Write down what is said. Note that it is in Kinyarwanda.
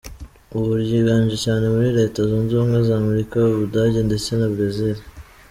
Ubu ryiganje cyane muri Leta Zunze Ubumwe za Amerika, u Budage ndetse na Brazil.